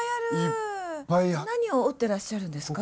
何を織ってらっしゃるんですか？